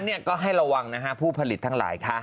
นี่ก็ให้ระวังนะฮะผู้ผลิตทั้งหลายค่ะ